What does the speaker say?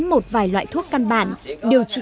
một vài loại thuốc căn bản điều trị